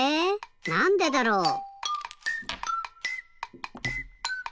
なんでだろう。